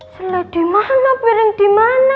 selai dimana piring dimana